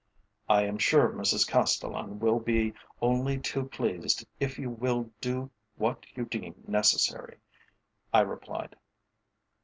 "I am sure Mrs Castellan will be only too pleased if you will do what you deem necessary," I replied.